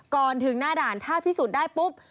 ก่อนถึงหน้าด่านถ้าพิสูจน์ได้ปุ๊บ